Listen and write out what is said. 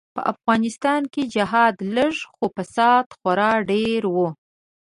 به افغانستان کی جهاد لږ خو فساد خورا ډیر وو.